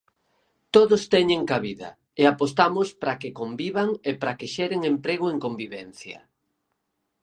Todos teñen cabida, e apostamos para que convivan e para que xeren emprego en convivencia.